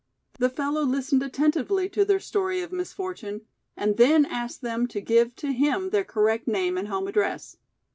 ] The fellow listened attentively to their story of misfortune and then asked them to give to him their correct name and home address.